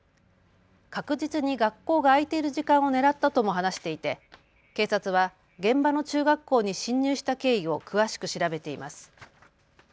確実に学校が開いている時間を狙ったとも話していて警察は現場の中学校に侵入した経緯を詳しく調べています。